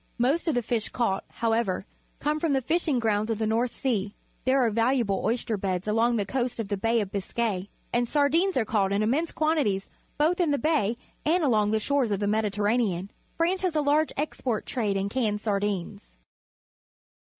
Most of the fish caught, however, come from the fishing grounds of the North Sea. There are valu able oyster beds alongTHe coast of the Bay of Biscay, and sardings are caught in immense quantities both in the Bay and along the shores of the Mediterranean. France has a large export trade in canned sardines.